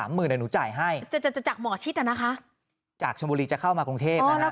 ๓หมื่นหนูจ่ายให้จากหมอชิดนะคะจากชมจะเข้ามากรุงเทพแล้ว